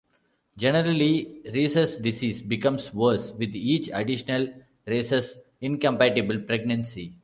Generally rhesus disease becomes worse with each additional rhesus incompatible pregnancy.